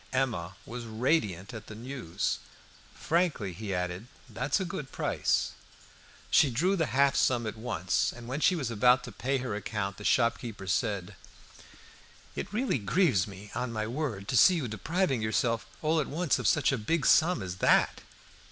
Emma was radiant at this news. "Frankly," he added, "that's a good price." She drew half the sum at once, and when she was about to pay her account the shopkeeper said "It really grieves me, on my word! to see you depriving yourself all at once of such a big sum as that."